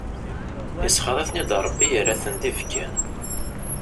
Isxeḍ-iten-id Rebbi, yerran-ten d ibkan.